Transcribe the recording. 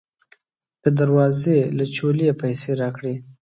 د دروازې له چولې یې پیسې راکړې.